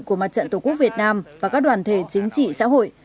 của mặt trận tqvn và các đoàn thể chính trị xã hội